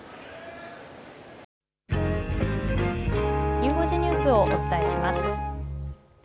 ゆう５時ニュースをお伝えします。